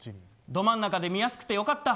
ど真ん中で見やすくてよかった。